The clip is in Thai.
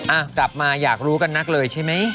อ่ะกลับมาอยากรู้กันนักเลยใช่ไหม